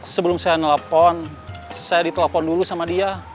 sebelum saya nelpon saya ditelepon dulu sama dia